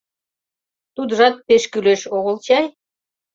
Тудыжак «пеш кӱлеш!» огыл чай?